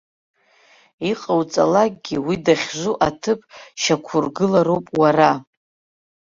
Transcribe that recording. Иҟауҵалакгьы уи дахьжу аҭыԥ шьақәургылароуп уара.